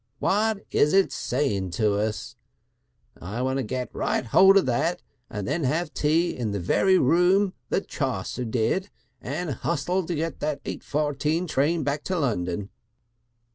What is it saying to us? I want to get right hold of that, and then have tea in the very room that Chaucer did, and hustle to get that four eighteen train back to London."